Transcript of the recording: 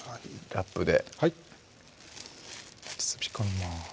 ラップではい包み込みます